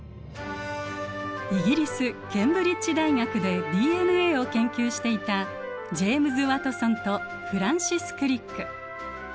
イギリスケンブリッジ大学でＤＮＡを研究していたジェームズ・ワトソンとフランシス・クリック。